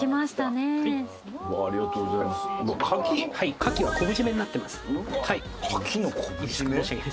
牡蠣は昆布締めになってます。